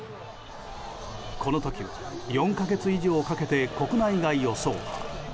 この時は４か月以上かけて国内外を走破。